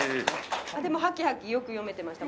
でもハキハキよく読めてました。